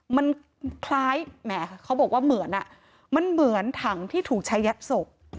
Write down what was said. มันคล้ายแหมเขาบอกว่าเหมือนอ่ะมันเหมือนถังที่ถูกใช้ยัดศพ